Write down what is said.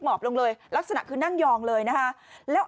หลายคนตั้งคำถาม